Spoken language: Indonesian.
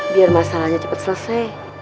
biar masalahnya cepet selesai